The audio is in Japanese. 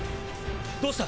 どうした！？